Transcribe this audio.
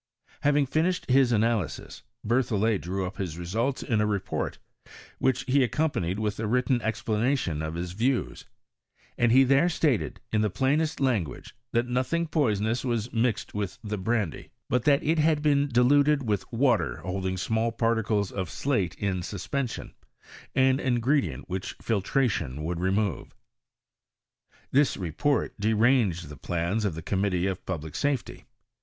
Having finished his analysis, Berthollet drew up his results in a Heport, which he accompanied with a written ex planation of his views ; and he there stated, in the plainest language, that nothing poisonous was mixed with the brandy, but that it had been diluted with water holding small particles of slate in suspension, an ingredient which filtration would remove. This report deranged the plans of the Committee of Pub lic Safety.